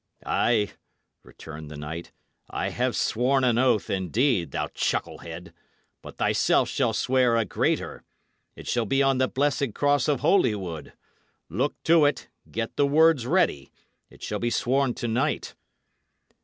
"Ay," returned the knight, "I have sworn an oath, indeed, thou chucklehead; but thyself shalt swear a greater. It shall be on the blessed cross of Holywood. Look to it; get the words ready. It shall be sworn to night."